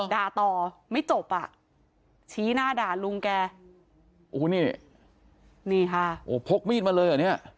ต่อไม่จบอ่ะชี้หน้าด่าลุงแกโอ้โหนี่นี่ค่ะโอ้พกมีดมาเลยเหรอเนี้ย